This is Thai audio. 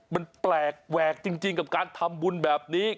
มันแปลกแหวกจริงกับการทำบุญแบบนี้